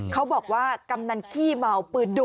เขาบอกว่ากำนันขี้เมาปืนดุ